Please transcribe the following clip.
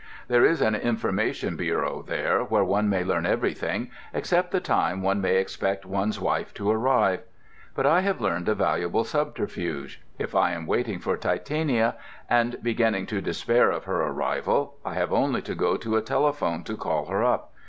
There is an information bureau there, where one may learn everything except the time one may expect one's wife to arrive. But I have learned a valuable subterfuge. If I am waiting for Titania, and beginning to despair of her arrival, I have only to go to a telephone to call her up.